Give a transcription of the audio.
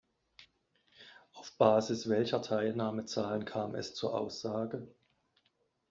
Auf Basis welcher Teilnahme-Zahlen kam es zur Aussage?